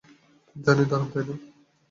জানি, দারুণ, তাই না?